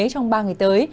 trong ba ngày tới